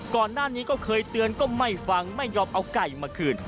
ก่อนหน้านี้ก็เคยเตือนก็ไม่ฟังไม่ยอมเอาไก่มาคืน